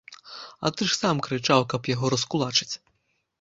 А ты ж сам крычаў, каб яго раскулачыць.